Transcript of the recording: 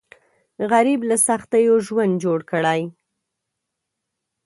غریب له سختیو ژوند جوړ کړی